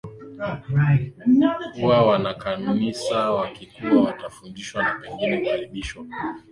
kuwa wanakanisa Wakikua watafundishwa na pengine kukaribishwa kwenye